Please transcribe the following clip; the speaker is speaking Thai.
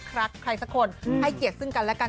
รักใครสักคนให้เกียรติซึ่งกันและกัน